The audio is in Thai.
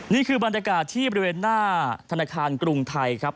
นี่คือบรรยากาศที่บริเวณหน้าธนาคารกรุงไทยครับ